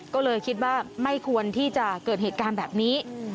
ก็เลยคิดว่าไม่ควรที่จะเกิดเหตุการณ์แบบนี้